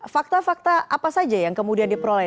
fakta fakta apa saja yang kemudian diperoleh